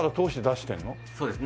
そうです。